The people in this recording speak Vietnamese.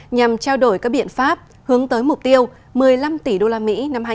nhằm trao đổi các biện pháp hướng tới mục tiêu một mươi năm tỷ usd năm hai nghìn hai mươi